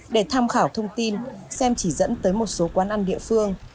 để tham khảo thông tin xem chỉ dẫn tới một số quán ăn địa phương